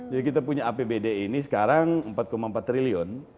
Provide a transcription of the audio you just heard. jadi kita punya apbd ini sekarang empat empat triliun